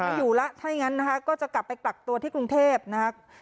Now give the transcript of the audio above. ไม่อยู่แล้วถ้าอย่างนั้นนะคะก็จะกลับไปกักตัวที่กรุงเทพนะครับ